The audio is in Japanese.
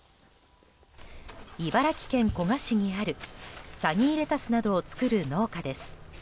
茨城県古河市にあるサニーレタスなどを作る農家です。